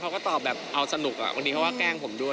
เขาก็ตอบแบบเอาสนุกบางทีเขาก็แกล้งผมด้วย